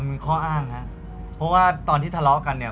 มันเป็นข้ออ้างครับเพราะว่าตอนที่ทะเลาะกันเนี่ย